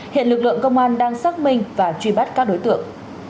hiện lực lượng công an đang xác minh và truy bắt các đối tượng